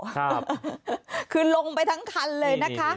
คือลงไปทั้งคันเลยนะคะ